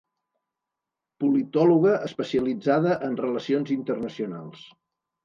Politòloga especialitzada en relacions internacionals.